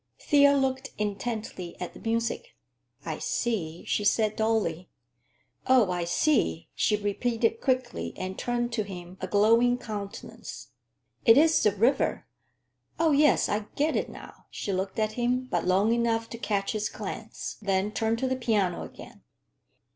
Thea looked intently at the music. "I see," she said dully. "Oh, I see!" she repeated quickly and turned to him a glowing countenance. "It is the river.—Oh, yes, I get it now!" She looked at him but long enough to catch his glance, then turned to the piano again.